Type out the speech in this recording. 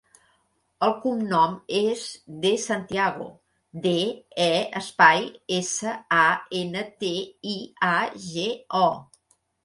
El cognom és De Santiago: de, e, espai, essa, a, ena, te, i, a, ge, o.